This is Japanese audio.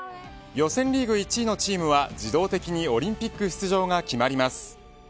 予選リーグ１位のチームは自動的にオリンピック出場が決まります。